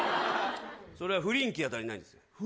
それは雰囲気が足りないんです。